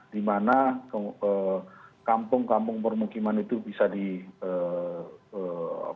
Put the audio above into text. dimana kampung kampung permukiman itu bisa di apakah cukup aman atau tidak gitu